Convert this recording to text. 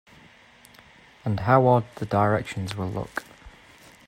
And how odd the directions will look!